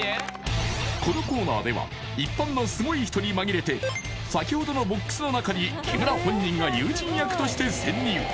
このコーナーでは一般のすごい人に紛れて先ほどのボックスの中に木村本人が友人役として潜入